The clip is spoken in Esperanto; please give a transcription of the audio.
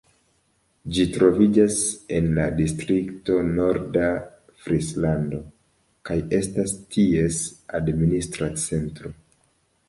Ĝi troviĝas en la distrikto Norda Frislando, kaj estas ties administra centro.